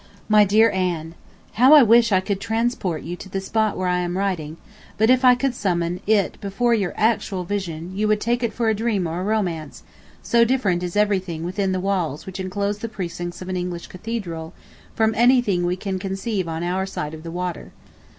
MY DEAR ANN: How I wish I could transport you to the spot where I am writing, but if I could summon it before your actual vision you would take it for a dream or a romance, so different is everything within the walls which enclose the precincts of an English Cathedral from anything we can conceive on our side of the water.